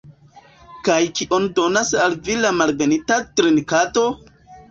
Kaj kion donas al vi la malbenita drinkado?